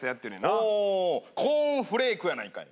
ほうコーンフレークやないかい